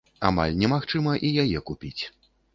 Амаль немагчыма і яе купіць.